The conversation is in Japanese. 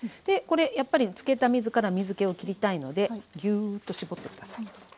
でこれやっぱりつけた水から水けを切りたいのでぎゅっと絞って下さい。